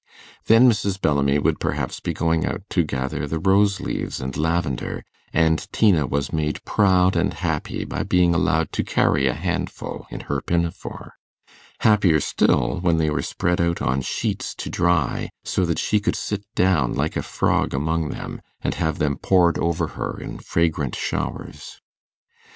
Then Mrs. Bellamy would perhaps be going out to gather the rose leaves and lavender, and Tina was made proud and happy by being allowed to carry a handful in her pinafore; happier still, when they were spread out on sheets to dry, so that she could sit down like a frog among them, and have them poured over her in fragrant showers.